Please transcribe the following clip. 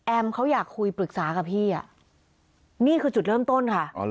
เขาอยากคุยปรึกษากับพี่อ่ะนี่คือจุดเริ่มต้นค่ะ